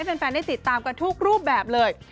แฟนได้ติดตามกันทุกรูปแบบเลย